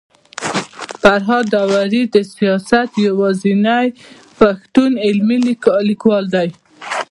فرهاد داوري د سياست يوازنی پښتون علمي ليکوال دی